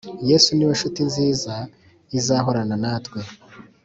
Yesu niwe nshuti nziza izahorana natwe.